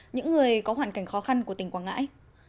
những người có hoàn cảnh khó khăn của tỉnh quảng ngãi